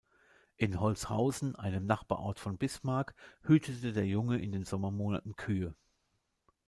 In Holzhausen, einem Nachbarort von Bismark, hütete der Junge in den Sommermonaten Kühe.